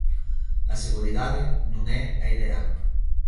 A seguridade non é a ideal.